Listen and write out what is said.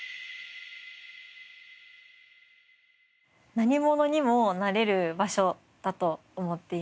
何者にもなれる場所だと思っています。